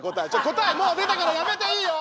答えもう出たからやめていいよ！